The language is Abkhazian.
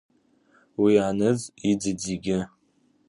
Уи аныӡ иӡит зегьы.